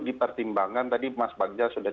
dipertimbangkan tadi mas bagja sudah